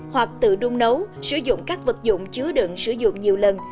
hoặc tự đun nấu sử dụng các vật dụng chứa đựng sử dụng nhiều lần